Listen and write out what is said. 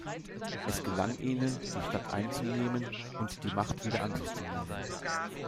Es gelang ihnen, die Stadt einzunehmen und die Macht wieder an sich zu nehmen.